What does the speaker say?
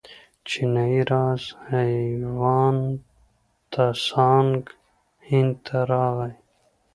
چینایي زایر هیوان تسانګ هند ته راغی.